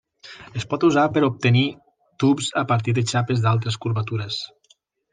Es pot usar per obtenir tubs a partir de xapes d'altres curvatures.